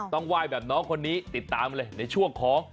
ไหว้แบบน้องคนนี้ติดตามเลยในช่วงของ